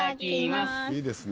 いいですね。